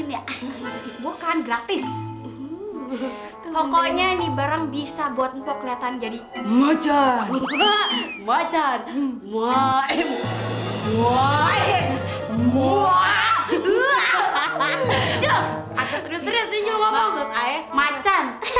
ya bukan gratis pokoknya ini barang bisa buat mpok kliatan jadi macan macan